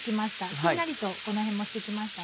しんなりとこのへんもして来ました。